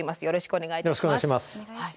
よろしくお願いします。